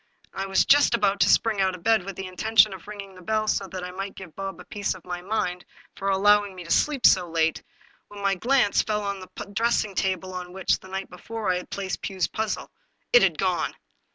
I was just about to springy out of bed with the intention of ringing the bell so that I might give Bob a piece of my mind for allowing me to sleep so late, when my glance fell on the dressing table on which, the night before, I had placed Pugh's puzzle. It had gone!